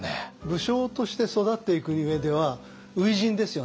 武将として育っていく上では初陣ですよね。